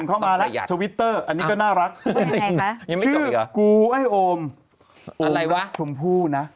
โอมรักชมพู่นะ